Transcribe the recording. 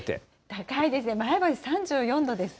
高いですね、前橋３４度ですか。